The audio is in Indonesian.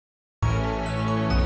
berita terkini dari amerika laing